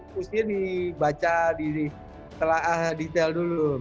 mesti dibaca di telah detail dulu